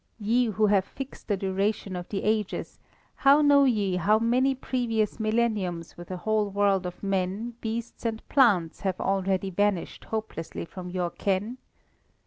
Ye who have fixed the duration of the Ages, how know ye how many previous millenniums with a whole world of men, beasts, and plants have already vanished hopelessly from your ken?